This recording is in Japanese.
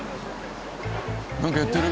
なんかやってる。